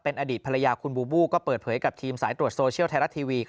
อดีตภรรยาคุณบูบูก็เปิดเผยกับทีมสายตรวจโซเชียลไทยรัฐทีวี